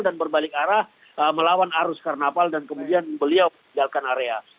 dan berbalik arah melawan arus karnaval dan kemudian beliau menjauhkan area